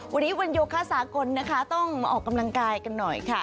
วันนี้วันโยคะสากลนะคะต้องมาออกกำลังกายกันหน่อยค่ะ